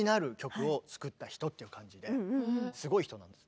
すごい人なんです。